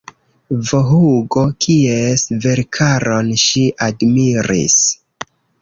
V. Hugo kies verkaron ŝi admiris.